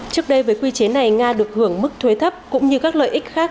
trước đây với quy chế này nga được hưởng mức thuế thấp cũng như các lợi ích khác